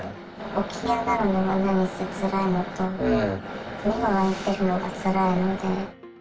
起き上がるのが、何せつらいのと、目を開いているのがつらいので。